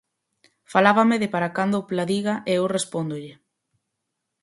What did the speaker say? Falábame de para cando o Pladiga e eu respóndolle.